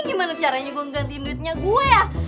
gimana caranya gue mengganti duitnya gue ya